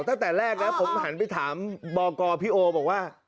ตั้งแต่แรกนะผมหันไปถามบกพี่โอบอกว่า